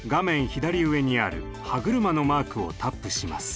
左上にある歯車のマークをタップします。